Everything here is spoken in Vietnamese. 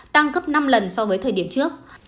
tăng cấp năm lần so với thời điểm trước